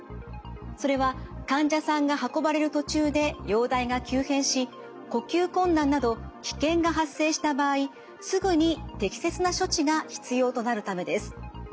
それは患者さんが運ばれる途中で容体が急変し呼吸困難など危険が発生した場合すぐに適切な処置が必要となるためです。